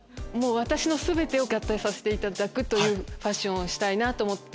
私の全てを合体させていただくファッションをしたいと思って。